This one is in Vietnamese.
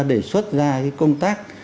đề xuất ra cái công tác